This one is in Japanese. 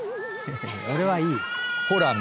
俺はいいよ。